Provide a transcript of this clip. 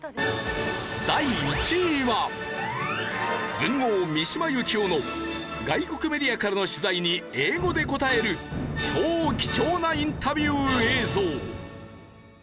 第１位は文豪三島由紀夫の外国メディアからの取材に英語で答える超貴重なインタビュー映像。